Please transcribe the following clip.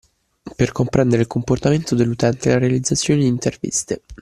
Per comprendere il comportamento dell’utente la realizzazione di interviste.